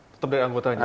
tetap dari anggotanya